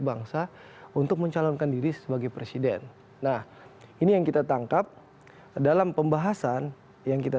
bangsa untuk mencalonkan diri sebagai presiden nah ini yang kita tangkap dalam pembahasan yang kita